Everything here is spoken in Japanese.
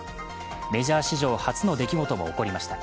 メジャー史上初の出来事も起こりました。